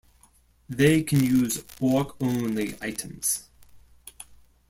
They can use orc-only items.